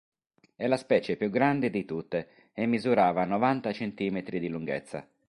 È la specie più grande di tutte e misurava novanta centimetri di lunghezza.